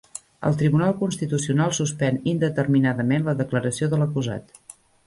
El Tribunal Constitucional suspèn indeterminadament la declaració de l'acusat